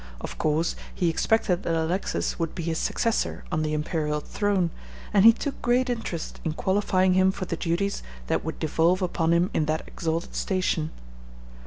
Of course, he expected that Alexis would be his successor on the imperial throne, and he took great interest in qualifying him for the duties that would devolve upon him in that exalted station.